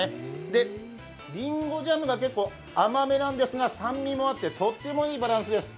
で、りんごジャムが結構甘めなんですが酸味もあって、とてもいいバランスです。